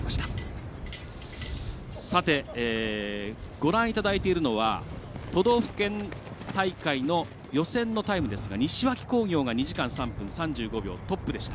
ご覧いただいているのは都道府県大会の予選のタイムですが西脇工業が２時間３分３５秒でトップでした。